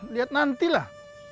liat nanti lah